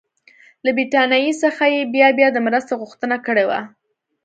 له برټانیې څخه یې بیا بیا د مرستې غوښتنه کړې وه.